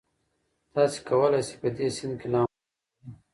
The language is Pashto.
تاسي کولای شئ په دې سیند کې لامبو ووهئ.